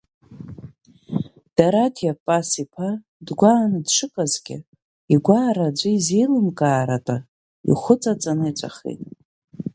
Дараҭиа Пас-иԥа дгәааны дшыҟазгьы, игәаара аӡәы изеилымкааратәа ихәыҵаҵаны иҵәахит.